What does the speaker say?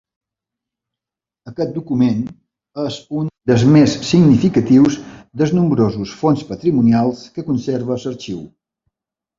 Aquest document és un dels més significatius dels nombrosos fons patrimonials que conserva l'arxiu.